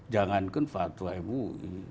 jangankan fatwa mui